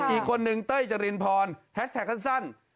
อีกคนนึงเต้ยจรินพรแฮชแท็กสั้น